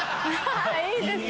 いいですね。